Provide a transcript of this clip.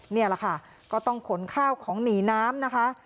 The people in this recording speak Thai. นี่แหละค่ะก็ต้องขนข้าวของหนีน้ำนะคะ